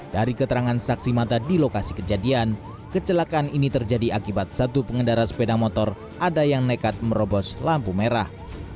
dari keterangan saksi mata di lokasi kejadian kecelakaan ini terjadi akibat satu pengendara sepeda motor ada yang nekat merobos lampu merah